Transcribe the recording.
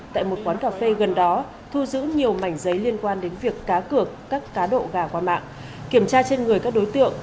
tại một quán cà phê gần đó thu giữ nhiều mảnh giấy liên quan đến việc cá cược các cá độ gà qua mạng kiểm tra trên người các đối tượng